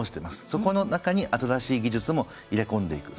そこの中に新しい技術も入れ込んでいく。